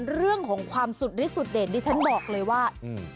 เรื่องของความสุดฤทธิ์เด็ดที่ฉันบอกเลยว่า